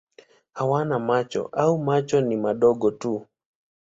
Hawana macho au macho ni madogo tu.